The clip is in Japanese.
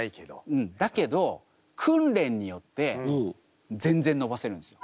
うんだけど訓練によって全然伸ばせるんですよ。